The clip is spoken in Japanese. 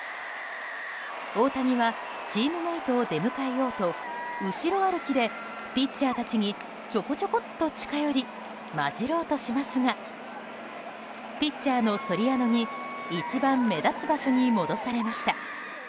大谷はチームメートを出迎えようと後ろ歩きで、ピッチャーたちにちょこちょこっと近寄り交じろうとしますがピッチャーのソリアノに一番目立つ場所に戻されました。